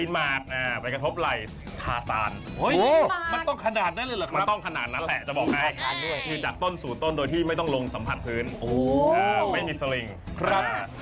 มันแตกต่างจากที่คุณกินไปตอนแรกน่ะครับ